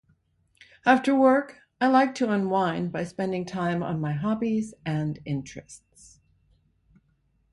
After work, I like to unwind by spending time on my hobbies and interests.